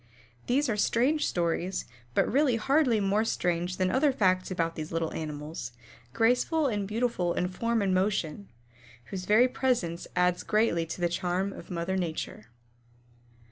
These are strange stories, but really hardly more strange than other facts about these little animals, graceful and beautiful in form and motion, whose very presence adds greatly to the charm of mother Nature.